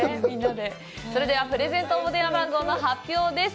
それでは、プレゼント応募電話番号の発表です。